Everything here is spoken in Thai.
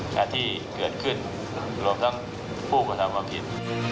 แค่ที่เกิดขึ้นรวมทั้งผู้ก็สามารถผิด